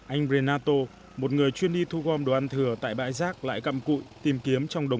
anh renato một người chuyên đi thu gom đồ ăn thừa tại bãi giác lại cặm cụi